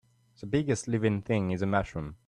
The biggest living thing is a mushroom.